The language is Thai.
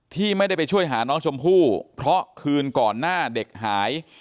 ที่ไม่ได้ไปช่วยหาน้องชมพู่เพราะคืนก่อนหน้าเด็กหาย